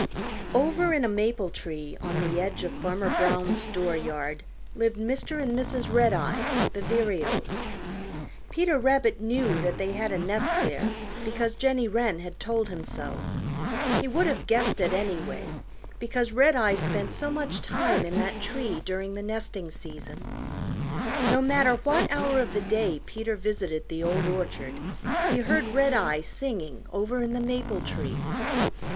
Over in a maple tree on the edge of Farmer Brown's door yard lived Mr. and Mrs. Redeye the Vireos. Peter Rabbit knew that they had a nest there because Jenny Wren had told him so. He would have guessed it anyway, because Redeye spent so much time in that tree during the nesting season. No matter what hour of the day Peter visited the Old Orchard he heard Redeye singing over in the maple tree.